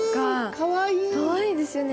かわいいですよね。